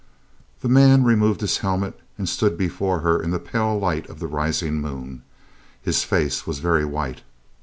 The man removed his helmet and stood before her in the pale light of the rising moon. His face was very white.